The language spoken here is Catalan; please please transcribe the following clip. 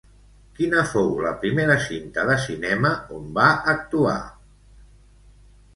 Quina fou la primera cinta de cinema on va actuar?